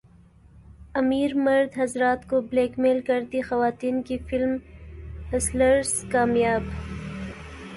امیر مرد حضرات کو بلیک میل کرتی خواتین کی فلم ہسلرز کامیاب